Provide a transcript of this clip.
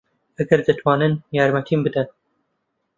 ئەگەر دەتوانن یارمەتیم بدەن.